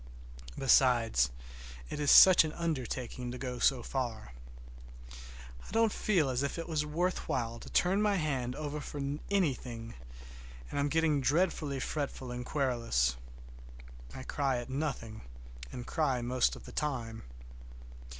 Besides, it is such an undertaking to go so far. I don't feel as if it was worth while to turn my hand over for anything, and I'm getting dreadfully fretful and querulous. I cry at nothing, and cry most of the time.